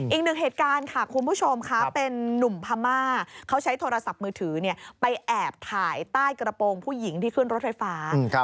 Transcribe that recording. อีกหนึ่งเหตุการณ์ค่ะคุณผู้ชมค่ะเป็นนุ่มพม่าเขาใช้โทรศัพท์มือถือไปแอบถ่ายใต้กระโปรงผู้หญิงที่ขึ้นรถไฟฟ้า